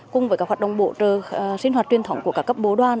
cùng với các hoạt động bộ trường sinh hoạt truyền thống của các cấp bố đoàn